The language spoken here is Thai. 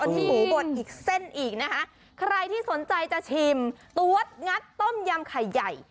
วันนี้หมูบดอีกเส้นอีกนะคะใครที่สนใจจะชิมตัวงัดต้มยำไข่ใหญ่